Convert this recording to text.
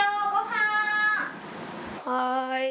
はい。